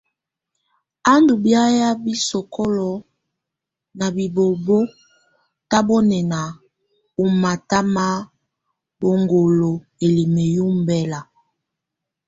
A ndù biàya bi sokolo ná bibobo tabɔnɛna ú mata ma bɔ̀aŋgolo ǝlimǝ yɛ ɔmbɛla.